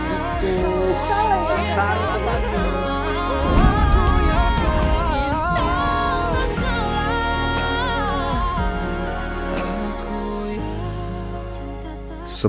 masak apa sih masak apa kamu tadi ya